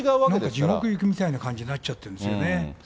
地獄行きみたいな感じになっちゃってるんですよね。